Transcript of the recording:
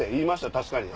確かに。